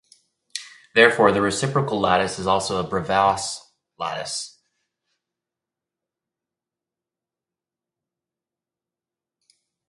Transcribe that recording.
Therefore, the reciprocal lattice is also a Bravais lattice.